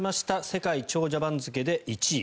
世界長者番付で１位。